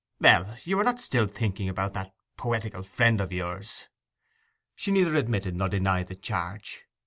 'Ell, you are not thinking still about that—poetical friend of yours?' She neither admitted nor denied the charge.